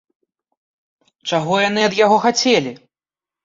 Чаго яны ад яго хацелі?